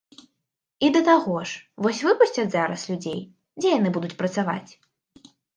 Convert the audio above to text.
І да таго ж, вось выпусцяць зараз людзей, дзе яны будуць працаваць?